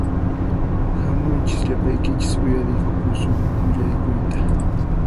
Hamuychis llapaykichis uyariykusun willakuyta